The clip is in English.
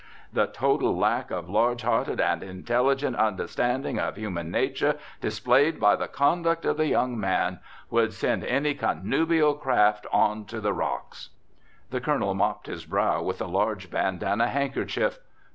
The total lack of large hearted and intelligent 'understanding' of human nature displayed by the conduct of the young man would send any connubial craft on to the rocks." The Colonel mopped his brow with a large bandanna handkerchief.